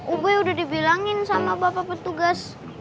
ubei udah dibilangin sama bapak petugas